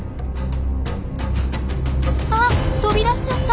あっ飛び出しちゃった！